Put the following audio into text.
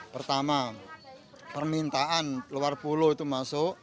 pertama permintaan luar pulau itu masuk